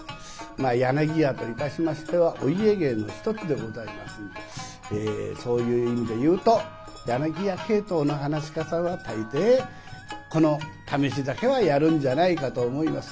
まあ柳家といたしましてはお家芸の一つでございますんでそういう意味で言うと柳家系統の噺家さんは大抵この「試し酒」はやるんじゃないかと思います。